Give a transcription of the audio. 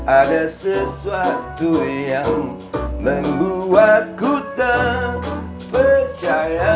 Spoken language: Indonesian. ada sesuatu yang membuatku tak percaya